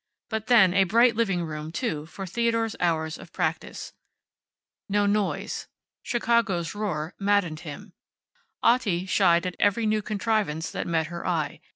But then, a bright living room, too, for Theodore's hours of practice. No noise. Chicago's roar maddened him. Otti shied at every new contrivance that met her eye.